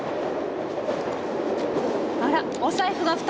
あらお財布が２つも。